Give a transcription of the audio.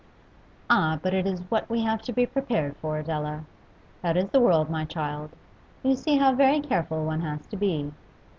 'Ah, but it is what we have to be prepared for, Adela. That is the world, my child. You see how very careful one has to be.